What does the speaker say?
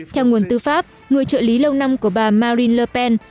theo nguồn tư pháp người trợ lý lâu năm của bà marin le pen